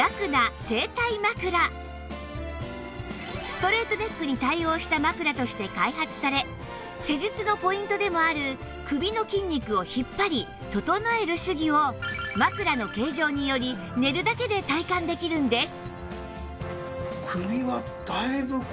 ストレートネックに対応した枕として開発され施術のポイントでもある首の筋肉を引っ張り整える手技を枕の形状により寝るだけで体感できるんです